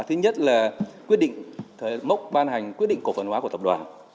thứ nhất là mốc ban hành quyết định cổ phần hóa của tập đoàn